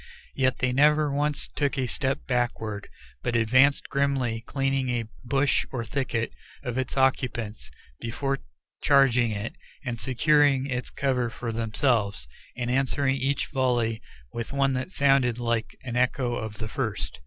Yet they never once took a step backward, but advanced grimly, cleaning a bush or thicket of its occupants before charging it, and securing its cover for themselves, and answering each volley with one that sounded like an echo of the first.